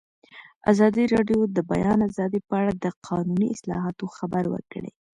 ازادي راډیو د د بیان آزادي په اړه د قانوني اصلاحاتو خبر ورکړی.